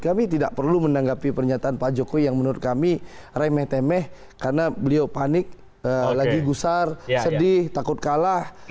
kami tidak perlu menanggapi pernyataan pak jokowi yang menurut kami remeh temeh karena beliau panik lagi gusar sedih takut kalah